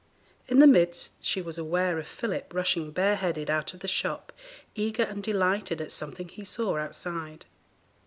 In the midst she was aware of Philip rushing bare headed out of the shop, eager and delighted at something he saw outside.